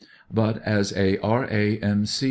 But as a R.A.M.C.